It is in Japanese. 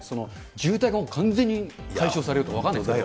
渋滞が完全に解消されるとか、分かんないですけど。